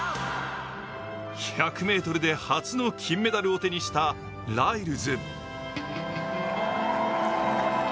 １００ｍで初の金メダルを手にしたライルズ。